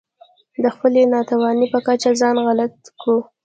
د خپلې ناتوانۍ په کچه ځان غلط کړو.